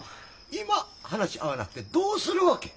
今話し合わなくてどうするわけ？